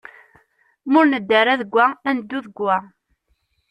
Ma ur neddi ara deg wa, ad neddu deg wa.